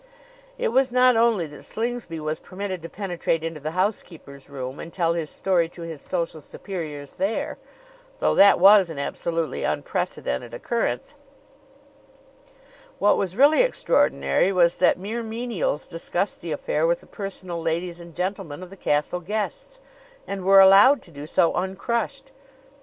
It was not only that Slingsby was permitted to penetrate into the housekeeper's room and tell his story to his social superiors there, though that was an absolutely unprecedented occurrence; what was really extraordinary was that mere menials discussed the affair with the personal ladies and gentlemen of the castle guests, and were allowed to do so uncrushed.